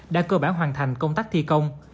đã cơ bản hoàn thành công tác thi công